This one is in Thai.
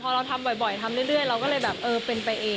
พอเราทำบ่อยทำเรื่อยเราก็เลยแบบเออเป็นไปเอง